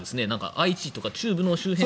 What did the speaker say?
愛知とか中部の周辺が。